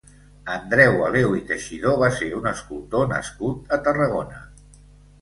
Andreu Aleu i Teixidor va ser un escultor nascut a Tarragona.